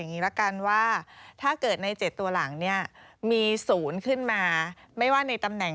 ใน๖คู่เลขหรือว่าใน๗ตัวหลัง